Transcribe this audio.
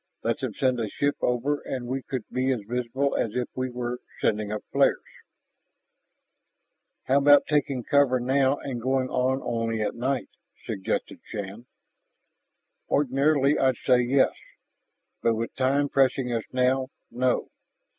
Let them send a ship over and we could be as visible as if we were sending up flares " "How about taking cover now and going on only at night?" suggested Shann. "Ordinarily, I'd say yes. But with time pressing us now, no.